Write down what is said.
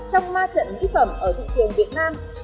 trong ma trận mỹ phẩm ở thị trường việt nam